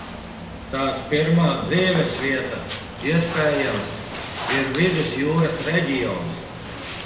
Tās primārā dzīvesvieta, iespējams, ir Vidusjūras reģions.